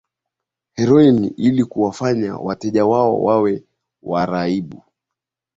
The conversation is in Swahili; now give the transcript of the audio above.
heroini ili kuwafanya wateja wao wawe waraibu